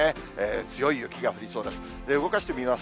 強い雪が降りそうです。